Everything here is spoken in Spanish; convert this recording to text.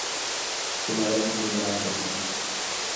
Su madre fue nombrada regente.